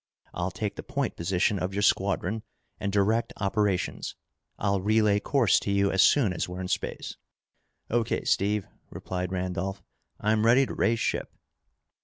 I'll take the point position of your squadron and direct operations. I'll relay course to you as soon as we're in space." "O.K., Steve," replied Randolph. "I'm ready to raise ship."